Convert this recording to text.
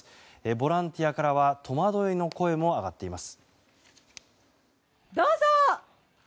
ボランティアからは戸惑いの声も上がっています。